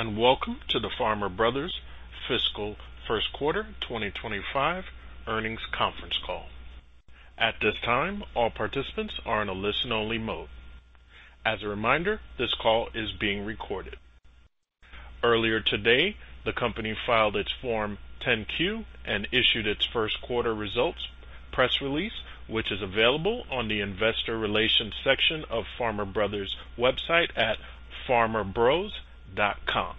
Good afternoon and welcome to the Farmer Brothers fiscal first quarter 2025 earnings conference call. At this time, all participants are in a listen-only mode. As a reminder, this call is being recorded. Earlier today, the Company filed its Form 10-Q and issued its first quarter results press release, which is available on the Investor Relations section of Farmer Brothers' website at farmerbros.com. The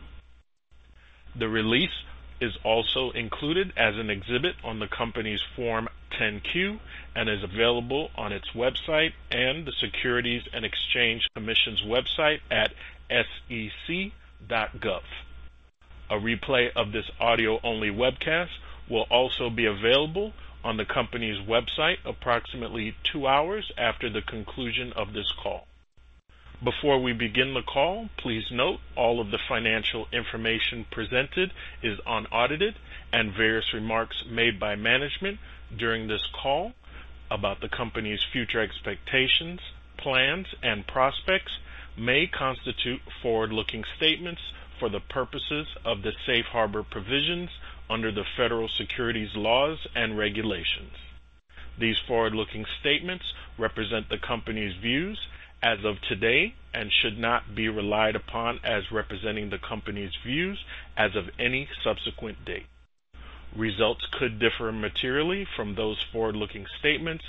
release is also included as an exhibit on the company's Form 10-Q and is available on its website and the Securities and Exchange Commission's website at sec.gov. A replay of this audio-only webcast will also be available on the Company's website approximately two hours after the conclusion of this call. Before we begin the call, please note all of the financial information presented is unaudited and various remarks made by management during this call about the Company's future expectations, plans and prospects may constitute forward-looking statements for the purposes of the safe harbor provisions under the Federal securities laws and regulations. These forward-looking statements represent the Company's views as of today and should not be relied upon as representing the Company's views as of any subsequent date. Results could differ materially from those forward-looking statements.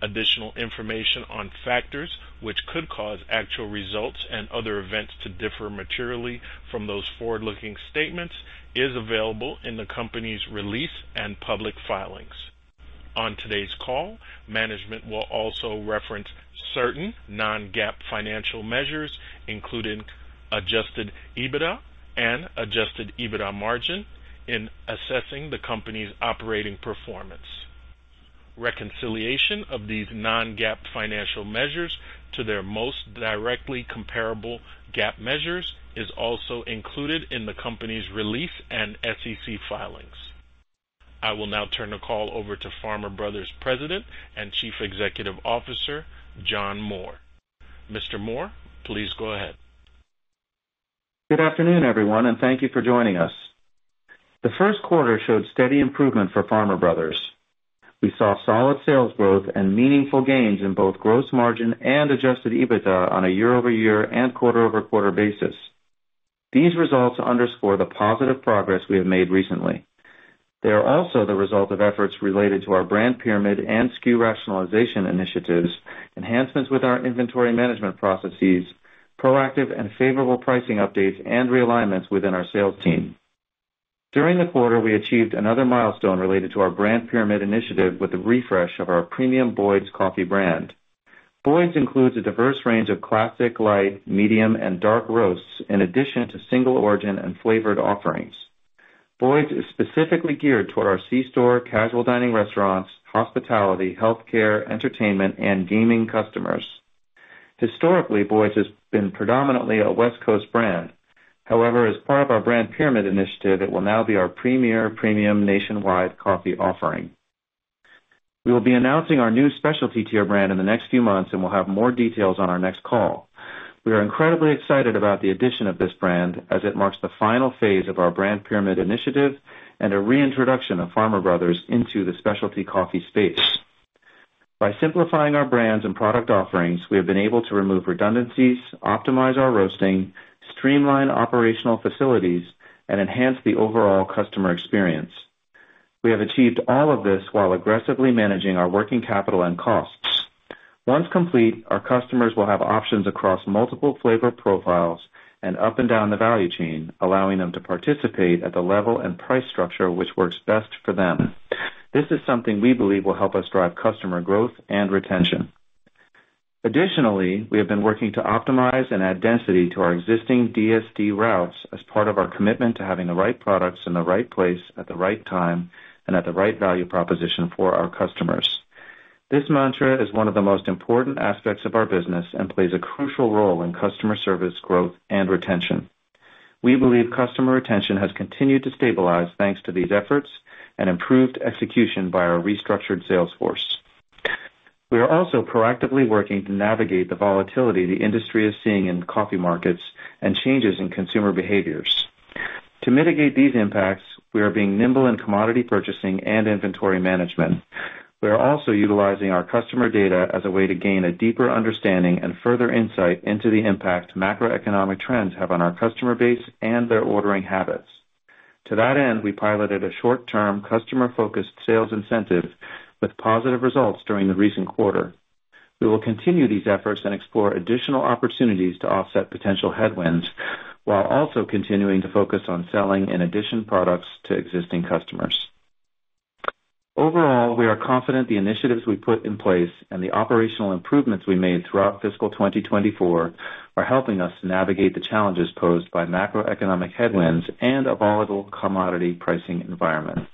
Additional information on factors which could cause actual results and other events to differ materially from those forward-looking statements is available in the Company's release and public filings on today's call. Management will also reference certain non-GAAP financial measures including adjusted EBITDA and adjusted EBITDA margin in assessing the Company's operating performance. Reconciliation of these non-GAAP financial measures to their most directly comparable GAAP measures is also included in the Company's release and SEC filings. I will now turn the call over to Farmer Brothers President and Chief Executive Officer John Moore. Mr. Moore, please go ahead. Good afternoon, everyone, and thank you for joining us. The first quarter showed steady improvement for Farmer Brothers. We saw solid sales growth and meaningful gains in both gross margin and adjusted EBITDA on a year-over-year and quarter-over-quarter basis. These results underscore the positive progress we have made recently. They are also the result of efforts related to our Brand Pyramid and SKU rationalization initiatives, enhancements with our inventory management processes, proactive and favorable pricing updates, and realignments within our sales team. During the quarter, we achieved another milestone related to our Brand Pyramid initiative with a refresh of our premium Boyd's coffee brand. Boyd's includes a diverse range of classic, light, medium, and dark roasts in addition to single origin and flavored offerings. Boyd's is specifically geared toward our c-store, casual dining, restaurants, hospitality, health care, entertainment, and gaming customers. Historically, Boyd's has been predominantly a West Coast brand. However, as part of our Brand Pyramid Initiative, it will now be our premier premium nationwide coffee offering. We will be announcing our new specialty tier brand in the next few months and we'll have more details on our next call. We are incredibly excited about the addition of this brand as it marks the final phase of our Brand Pyramid Initiative and a reintroduction of Farmer Brothers into the specialty coffee space. By simplifying our brands and product offerings, we have been able to remove redundancies, optimize our roasting, streamline operational facilities and enhance the overall customer experience. We have achieved all of this while aggressively managing our working capital and costs. Once complete, our customers will have options across multiple flavor profiles and up and down the value chain, allowing them to participate at the level and price structure which works best for them. This is something we believe will help us drive customer growth and retention. Additionally, we have been working to optimize and add density to our existing DSD routes as part of our commitment to having the right products in the right place, at the right time and at the right value proposition for our customers. This mantra is one of the most important aspects of our business and plays a crucial role in customer service growth and retention. We believe customer retention has continued to stabilize thanks to these efforts and improved execution by our restructured sales force. We are also proactively working to navigate the volatility the industry is seeing in coffee markets and changes in consumer behaviors to mitigate these impacts. We are being nimble in commodity purchasing and inventory management. We are also utilizing our customer data as a way to gain a deeper understanding and further insight into the impact macroeconomic trends have on our customer base and their ordering habits. To that end, we piloted a short term customer focused sales incentive with positive results during the recent quarter. We will continue these efforts and explore additional opportunities to offset potential headwinds while also continuing to focus on selling in additional products to existing customers. Overall, we are confident the initiatives we put in place and the operational improvements we made throughout fiscal 2024 are helping us navigate the challenges posed by macroeconomic headwinds and a volatile commodity pricing environment.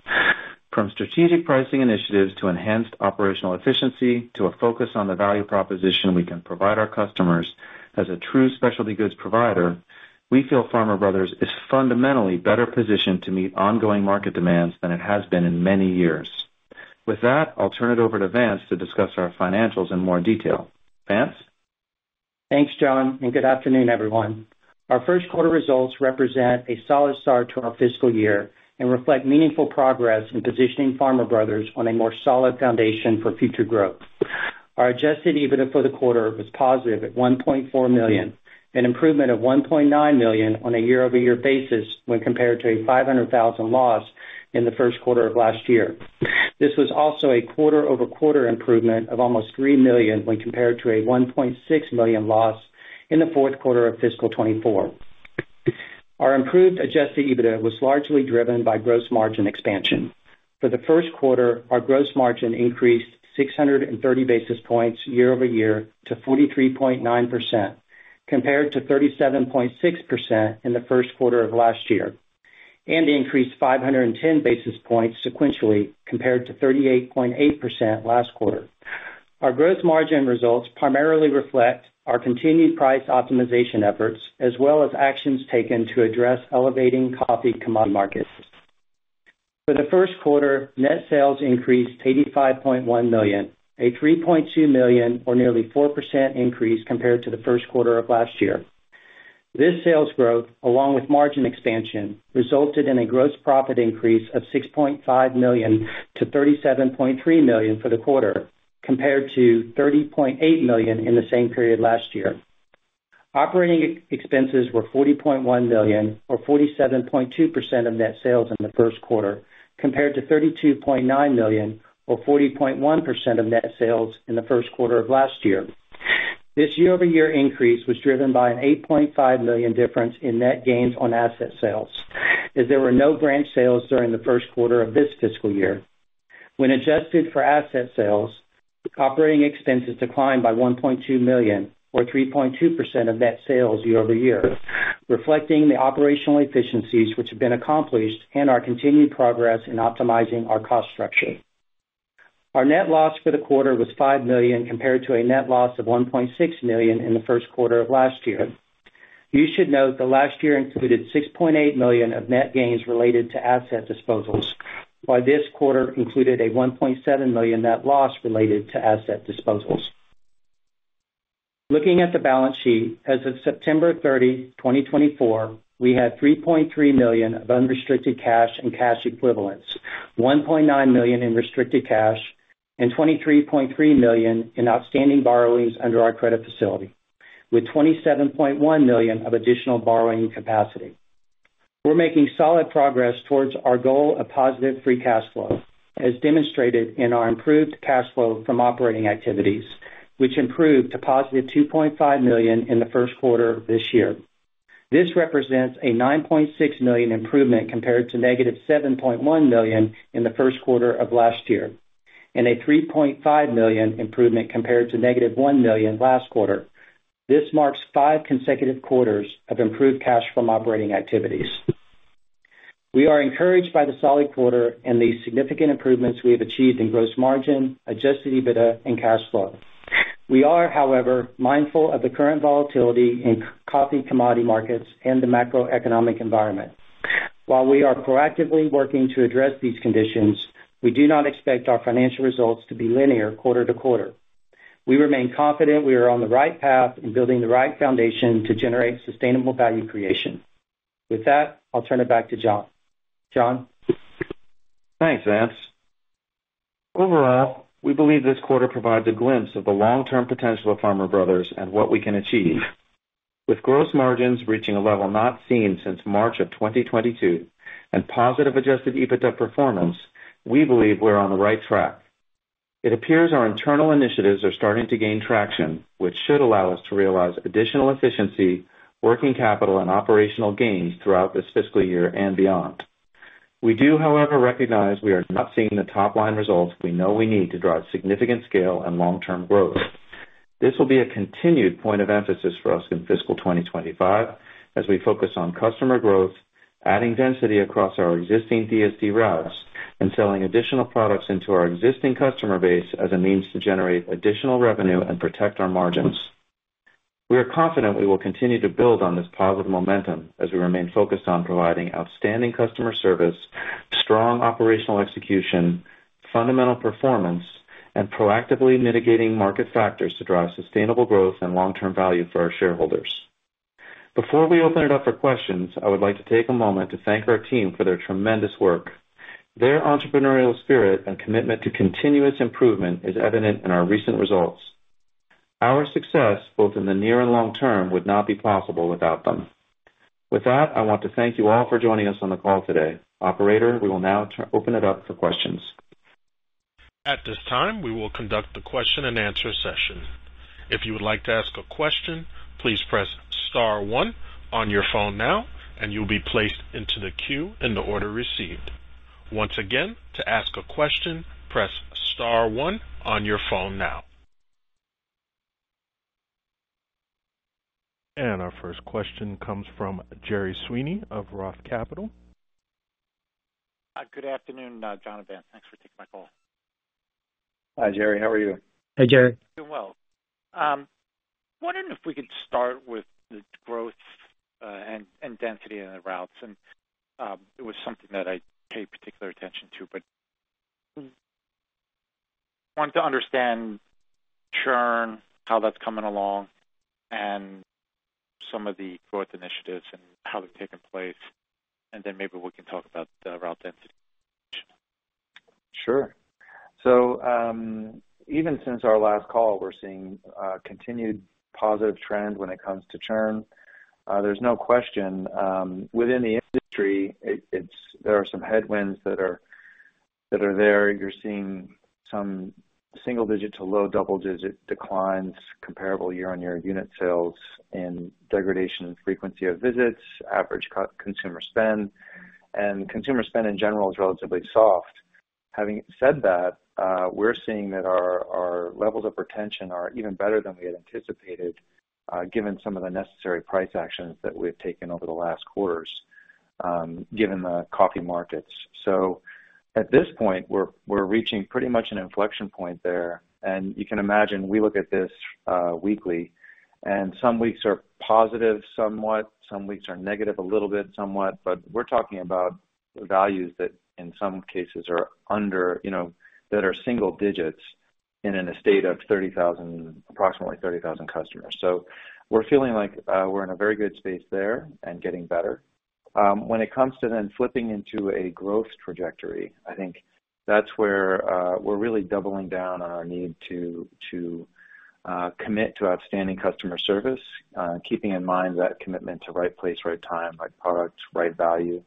From strategic pricing initiatives to enhanced operational efficiency to a focus on the value proposition we can provide our customers. As a true specialty goods provider, we feel Farmer Bros. is fundamentally better positioned to meet ongoing market demands than it has been in many years. With that, I'll turn it over to Vance to discuss our financials in more detail. Vance, thanks John, and good afternoon everyone. Our first quarter results represent a solid start to our fiscal year and reflect meaningful progress in positioning Farmer Brothers on a more solid foundation for future growth. Our Adjusted EBITDA for the quarter was positive at $1.4 million, an improvement of $1.9 million on a year over year basis when compared to a $500,000 loss in the first quarter of last year. This was also a quarter over quarter improvement of almost $3 million when compared to a $1.6 million loss in the fourth quarter of fiscal 2024. Our improved Adjusted EBITDA was largely driven by gross margin expansion. For the first quarter, our gross margin increased 630 basis points year over year to 43.9% compared to 37.6% in the first quarter of last year, and increased 510 basis points sequentially compared to 38.8% last quarter. Our gross margin results primarily reflect our continued price optimization efforts as well as actions taken to address elevating coffee commodity markets. For the first quarter, net sales increased to $85.1 million, a $3.2 million or nearly 4% increase compared to the first quarter of last year. This sales growth, along with margin expansion resulted in a gross profit increase of $6.5 million to $37.3 million for the quarter compared to $30.8 million in the same period last year. Operating expenses were $40.1 million, or 47.2% of net sales in the first quarter compared to $32.9 million or 40.1% of net sales in the first quarter of last year. This year over year increase was driven by an $8.5 million difference in net gains on asset sales as there were no branch sales during the first quarter of this fiscal year. When adjusted for asset sales, operating expenses declined by $1.2 million, or 3.2% of net sales year over year, reflecting the operational efficiencies which have been accomplished and our continued progress in optimizing our cost structure. Our net loss for the quarter was $5 million compared to a net loss of $1.6 million in the first quarter of last year. You should note the last year included $6.8 million of net gains related to asset disposals, while this quarter included a $1.7 million net loss related to asset disposals. Looking at the balance sheet, as of September 30, 2024, we had $3.3 million of unrestricted cash and cash equivalents, $1.9 million in restricted cash, and $23.3 million in outstanding borrowings under our credit facility with $27.1 million of additional borrowing capacity. We're making solid progress towards our goal of positive free cash flow. As demonstrated in our improved cash flow from operating activities which improved to positive $2.5 million in the first quarter this year, this represents a $9.6 million improvement compared to negative $7.1 million in the first quarter of last year and a $3.5 million improvement compared to negative $1 million last quarter. This marks five consecutive quarters of improved cash from operating activities. We are encouraged by the solid quarter and the significant improvements we have achieved in gross margin, Adjusted EBITDA and cash flow. We are, however, mindful of the current volatility in coffee commodity markets and the macroeconomic environment. While we are proactively working to address these conditions, we do not expect our financial results to be linear quarter to quarter. We remain confident we are on the right path in building the right foundation to generate sustainable value creation. With that, I'll turn it back to. John, John. Thanks, and. Overall, we believe this quarter provides a glimpse of the long term potential of. Farmer Brothers and what we can achieve. With gross margins reaching a level not seen since March of 2022 and positive Adjusted EBITDA performance, we believe we're on the right track. It appears our internal initiatives are starting to gain traction, which should allow us to realize additional efficiency, working capital and operational gains throughout this fiscal year and beyond. We do, however, recognize we are not. Seeing the top line results we know we need to drive significant scale and long-term growth. This will be a continued point of emphasis for us in fiscal 2025 as we focus on customer growth, adding density across our existing DSD routes and selling additional products into our existing customer base as a means to generate additional revenue and protect our margins. We are confident we will continue to build on this positive momentum as we remain focused on providing outstanding customer service, strong operational execution, fundamental performance and proactively mitigating market factors to drive sustainable growth and long-term value for our shareholders. Before we open it up for questions, I would like to take a moment to thank our team for their tremendous work. Their entrepreneurial spirit and commitment to continuous improvement is evident in our recent results. Our success both in the near and long term would not be possible without them. With that, I want to thank you all for joining us on the call today. Operator, we will now open it up for questions. At this time we will conduct the question and answer session. If you would like to ask a question, please press Star one on your phone now and you'll be placed into the queue in the order received. Once again, to ask a question, press Star one on your phone now, and our first question comes from Gerry Sweeney of Roth Capital Partners. Good afternoon, John and Vance. Thanks for taking my call. Hi Gerry, how are you? Hey Gerry. Doing well. Wondering if we could start with the growth and density and the routes, and it was something that I paid particular attention to but wanted to understand churn, how that's coming along and some of the growth initiatives and how they've taken place and then maybe we can talk about the route density. Sure. So even since our last call, we're seeing continued positive trend when it comes to churn. There's no question within the industry there are some headwinds that are there. You're seeing some single digit to low double digit declines, comparable year on year unit sales and degradation, frequency of visits, average consumer spend and consumer spend in general is relatively soft. Having said that, we're seeing that our levels of retention are even better than we had anticipated given some of the necessary price actions that we've taken over the last quarters given the coffee markets. So at this point we're reaching pretty much an inflection point there. You can imagine we look at this weekly and some weeks are positive somewhat, some weeks are negative a little bit somewhat. But we're talking about values that in some cases are under, you know, that are single digits in a state of 30,000, approximately 30,000 customers. So we're feeling like we're in a very good space there and getting better when it comes to then flipping into a growth trajectory. I think that's where we're really doubling down on our need to commit to outstanding customer service. Keeping in mind that commitment to right place, right time, right product, right value.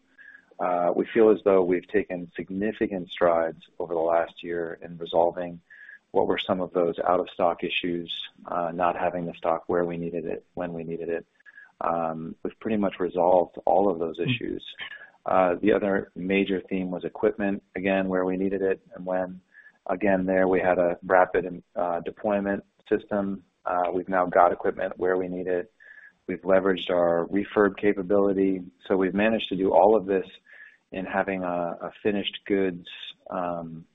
We feel as though we've taken significant strides over the last year in resolving what were some of those out of stock issues. Not having the stock where we needed it when we needed it. We've pretty much resolved all of those issues. The other major theme was equipment, again where we needed it and when again there. We had a rapid deployment system. We've now got equipment where we need it. We've leveraged our refurb capability, so we've managed to do all of this in having a finished goods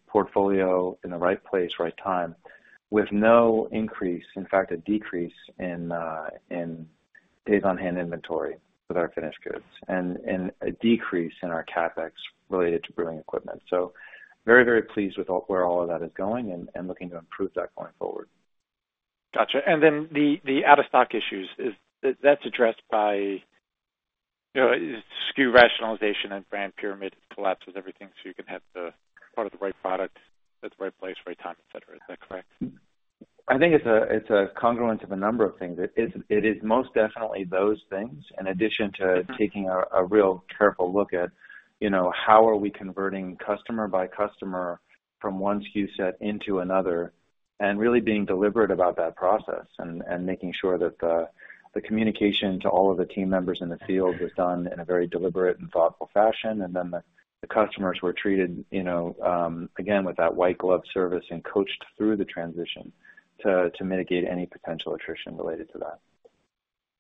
portfolio in the right place, right time with no increase, in fact a decrease in days on hand inventory with our finished goods and a decrease in our CapEx related to brewing equipment, so very, very pleased with where all of that is going and looking to improve that going forward. Gotcha. And then the out of stock issues that's addressed by SKU rationalization and Brand Pyramid collapses, everything. So you can have part of the right product at the right place, right time, et cetera. Is that correct? I think it's a congruence of a number of things. It is most definitely those things. In addition to taking a real careful look at how are we converting customer by customer from one SKU set into another and really being deliberate about that process and making sure that the communication to all of the team members in the field was done in a very deliberate and thoughtful fashion, and then the customers were treated again with that white glove service and coached through the transition to mitigate any potential attrition related to that.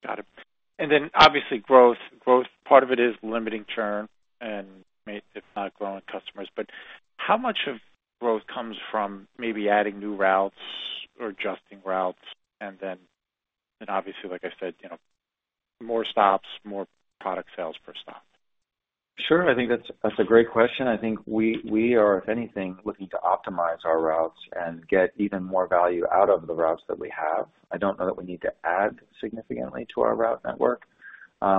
Got it. And then obviously, growth. Part of it is limiting churn and if not growing customers. But how much of growth comes from maybe adding new routes or adjusting routes and then obviously, like I said, more stops, more product sales per stop. Sure. I think that's a great question. I think we are, if anything, looking to optimize our routes and get even more value out of the routes that we have. I don't know that we need to add significantly to our route network.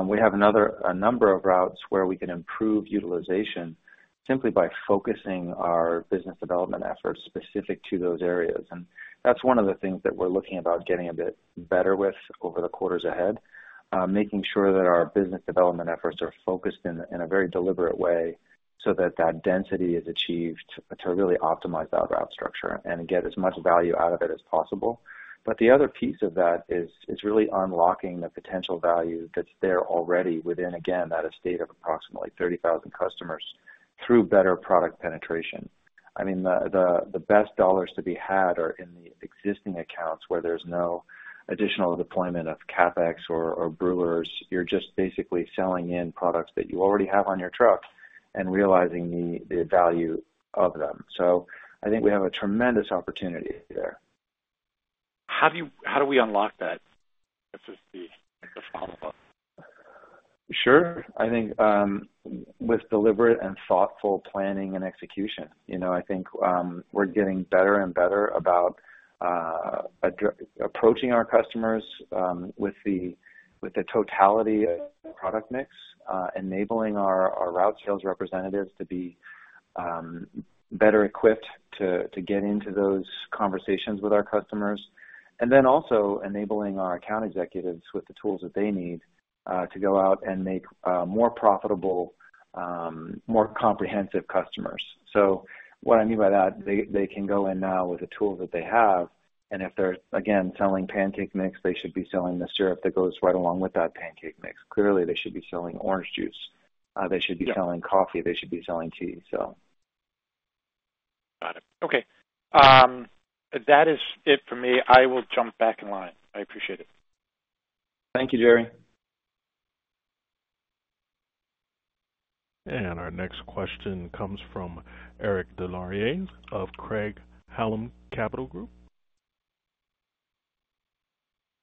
We have a number of routes where we can improve utilization simply by focusing our business development efforts specific to those areas, and that's one of the things that we're looking to get a bit better with over the quarters ahead. Making sure that our business development efforts are focused in a very deliberate way so that that density is achieved to really optimize that route structure and get as much value out of it as possible, but the other piece of that is really unlocking the potential value that's there already within, again, that base of approximately 30,000 customers through better product penetration. I mean, the best dollars to be had are in the existing accounts where there's no additional deployment of CapEx or brewers. You're just basically selling in products that you already have on your truck and realizing the value of them. So I think we have a tremendous opportunity there. How do we unlock that? Sure. I think with deliberate and thoughtful planning and execution, I think we're getting better and better about approaching our customers with the totality of product mix. Enabling our route sales representatives to be better equipped to get into those conversations with our customers and then also enabling our account executives with the tools that they need to go out and make more profitable, more comprehensive customers. So what I mean by that, they can go in now with a tool that they have. And if they're again selling pancake mix, they should be selling the syrup that goes right along with that pancake mix. Clearly, they should be selling orange juice. They should be selling coffee, they should be selling tea. Got it. Okay. That is it for me. I will jump back in line. I appreciate it. Thank you, Gerry. Our next question comes from Eric Des Lauriers of Craig-Hallum Capital Group.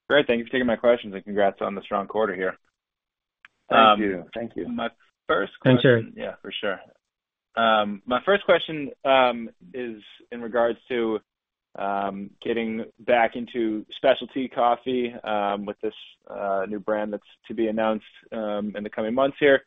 Great. Thank you for taking my questions. And congrats on the strong quarter here. Thank you. Thank you. My first question. Yeah, for sure. My first question is in regards to getting back into specialty coffee with this new brand that's to be announced in the coming months here.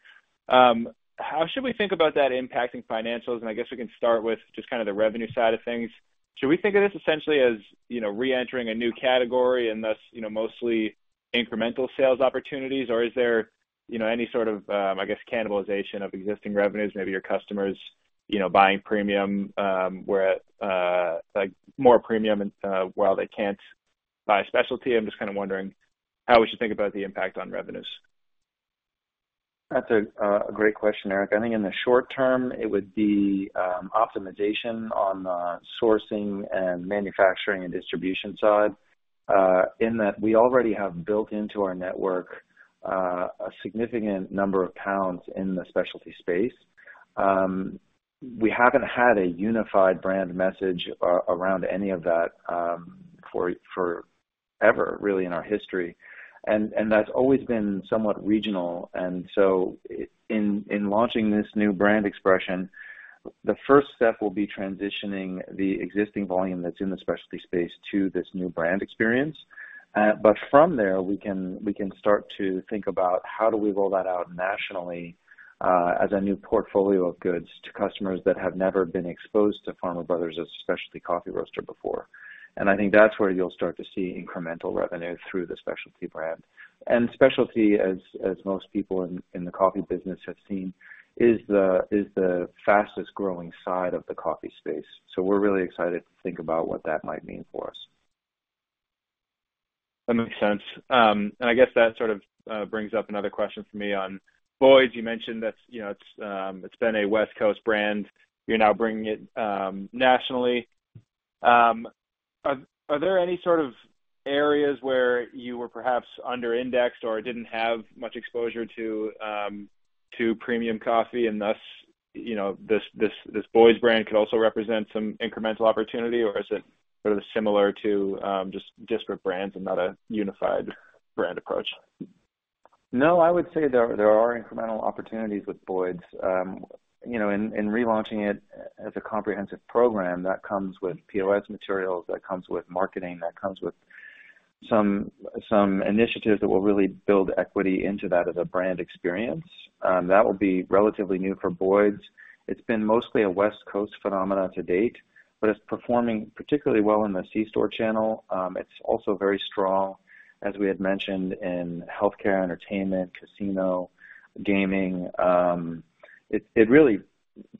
How should we think about that impacting financials? And I guess we can start with just kind of the revenue side of things. Should we think of this essentially as re-entering a new category and thus mostly incremental sales opportunities, or is there any sort of, I guess, cannibalization of existing revenues? Maybe your customers buying premium or more premium while they can't buy specialty? I'm just kind of wondering how we should think about the impact on revenues. That's a great question, Eric. I think in the short term, it would be optimization on sourcing and manufacturing and distribution side in that we already have built into our network a significant number of pounds in the specialty space. We haven't had a unified brand message around any of that forever, really, in our history, and that's always been somewhat regional, and so in launching this new brand expression, the first step will be transitioning the existing volume that's in the specialty space to this new brand experience, but from there, we can start to think about how do we roll that out nationally as a new portfolio of goods to customers that have been exposed to Farmer Brothers as a specialty coffee roaster before, and I think that's where you'll start to see incremental revenue through the specialty brand. Specialty, as most people in the coffee business have seen, is the fastest growing side of the coffee space. We're really excited to think about what that might mean for us. That makes sense. And I guess that sort of brings up another question for me on Boyd's. You mentioned that it's been a West Coast brand. You're now bringing it nationally. Are there any sort of areas where you were perhaps under indexed or didn't have much exposure to premium coffee? And thus this Boyd's brand could also represent some incremental opportunity, or is it similar to just disparate brands and not a unified brand approach? No, I would say there are incremental opportunities with Boyd's, you know, in relaunching it as a comprehensive program that comes with POS materials, that comes with marketing, that comes with some initiatives that will really build equity into that as a brand experience that will be relatively new. For Boyd's, it's been mostly a West Coast phenomenon to date, but it's performing particularly well in the C Store channel. It's also very strong, as we had mentioned, in healthcare, entertainment, casino gaming. It really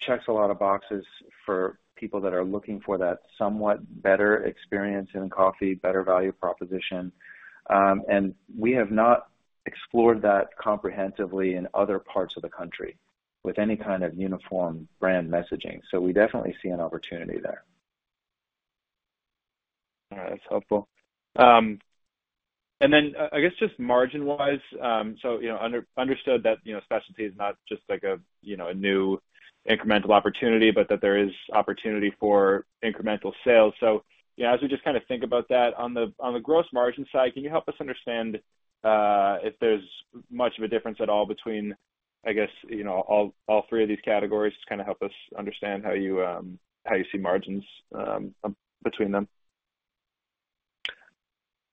checks a lot of boxes for people that are looking for that somewhat better experience in coffee, better value proposition. And we have not explored that comprehensively in other parts of the country with any kind of uniform brand messaging. So we definitely see an opportunity there. That's helpful. And then I guess just margin wise, so understood that specialty is not just like a new incremental opportunity, but that there is opportunity for incremental sales. So as we just kind of think about that on the gross margin side, can you help us understand if there's much of a difference at all between, I guess, all three of these categories to kind of help us understand how you, how you see margins between them?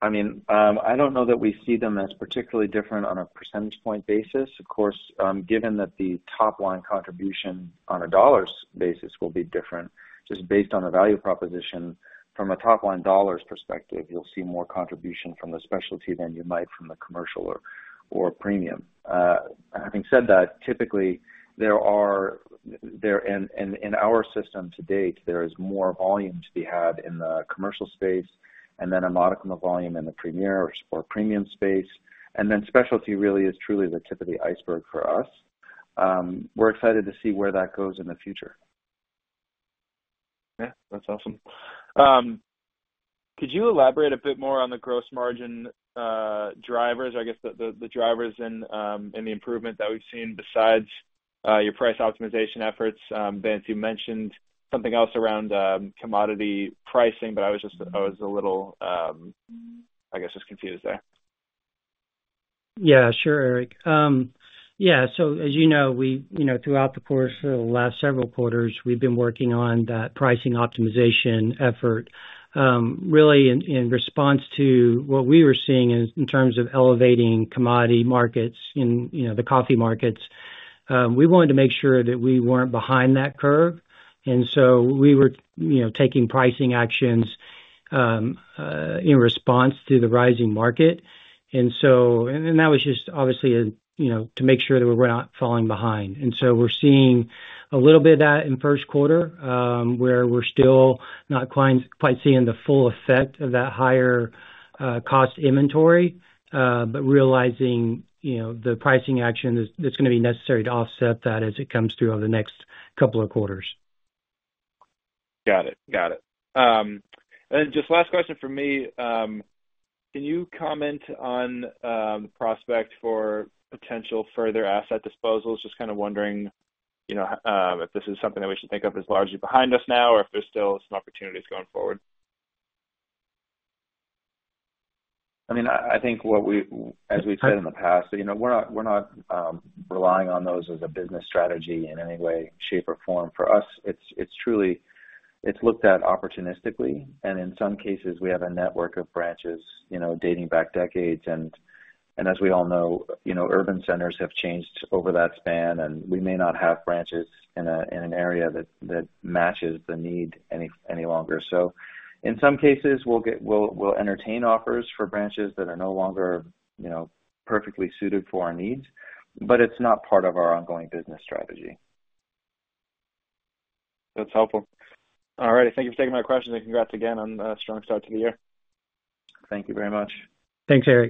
I mean, I don't know that we see them as particularly different on a percentage point basis. Of course, given that the top line contribution on a dollar basis will be different just based on the value proposition. From a top line dollars perspective, you'll see more contribution from the specialty than you might from the commercial or premium. Having said that, typically there are in our system to date, there is more volume to be had in the commercial space and then a modicum of volume in the premier or premium space. And then specialty really is truly the tip of the iceberg for us. We're excited to see where that goes in the future. Yeah, that's awesome. Could you elaborate a bit more on the gross margin drivers? I guess the drivers in the improvement that we've seen besides your price optimization efforts. Vance, you mentioned something else around commodity pricing, but I was just, I was a little, I guess, just confused there. Yeah, sure, Eric. Yeah. So as you know, we, you know, throughout the course of the last several quarters, we've been working on that pricing optimization effort really in response to what we were seeing in terms of elevating commodity markets in, you know, the coffee markets. We wanted to make sure that we weren't behind that curve, and so we were, you know, taking pricing actions in response to the rising market. And so, and that was just obviously, you know, to make sure that we're not falling behind, and so we're seeing a little bit of that in first quarter where we're still not quite seeing the full effect of that higher cost inventory, but realizing, you know, the pricing action that's going to be necessary to offset that as it comes through over the next couple of quarters. Got it. Got it. And just last question for me. Can you comment on the prospect for potential further asset disposals? Just kind of wondering, you know, if this is something that we should think of as largely behind us now or if there's still some opportunities going forward. I mean, I think what we, as we said in the past, you know, we're not relying on those as a business strategy in any way, shape or form. For us, it's truly, it's looked at opportunistically, and in some cases we have a network of branches dating back decades, and as we all know, urban centers have changed over that span and we may not have branches in an area that matches the need any longer, so in some cases, we'll entertain offers for branches that are no longer perfectly suited for our needs, but it's not part of our ongoing business strategy. That's helpful. All right. Thank you for taking my questions, and congrats again on strong start to the year. Thank you very much. Thanks, Eric.